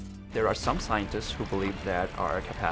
ada beberapa ilmuwan yang mempercayai kekuatan kita adalah imun